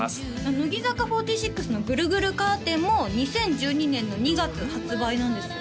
乃木坂４６の「ぐるぐるカーテン」も２０１２年の２月発売なんですよ